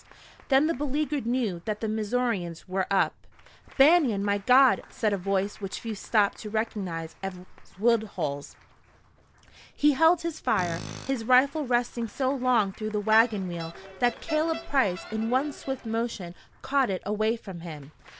Then the beleaguered knew that the Missourians were up. "Banion, by God!" said a voice which few stopped to recognize as Woodhull's. He held his fire, his rifle resting so long through the wagon wheel that Caleb Price in one swift motion caught it away from him.